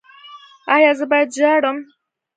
ایا زه باید ژاړم؟